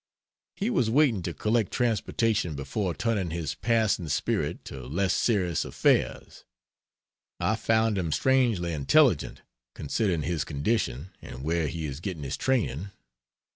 He was waiting to collect transportation before turning his passing spirit to less serious affairs. I found him strangely intelligent, considering his condition and where he is getting his training.